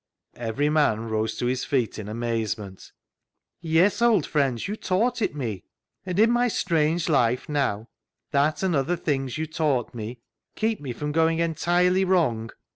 Every man rose to his feet in amazement. " Yes, old friends, you taught it me. And in my strange life now, that and other things you taught me, keep me from going entirely wrong.